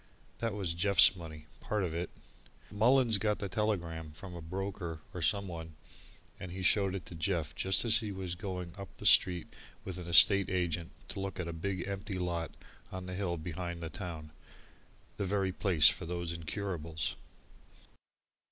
That was Jeff's money part of it. Mullins got the telegram, from a broker or someone, and he showed it to Jeff just as he was going up the street with an estate agent to look at a big empty lot on the hill behind the town the very place for these incurables.